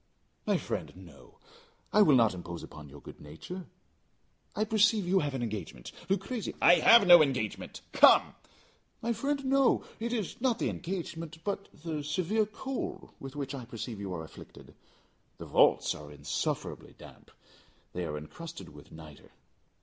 "My friend, no; I will not impose upon your good nature. I perceive you have an engagement. Luchesi " "I have no engagement; come." "My friend, no. It is not the engagement, but the severe cold with which I perceive you are afflicted. The vaults are insufferably damp. They are encrusted with nitre."